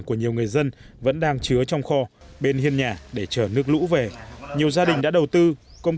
của nhiều người dân vẫn đang chứa trong kho bên hiên nhà để chở nước lũ về nhiều gia đình đã đầu tư công